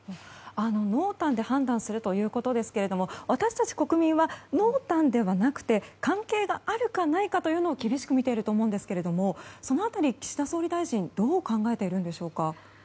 濃淡で判断するということですけど私たち国民は濃淡ではなくて関係があるかないかというのを厳しく見ていると思うんですけれどもその辺り、岸田総理大臣どう考えているのでしょうか。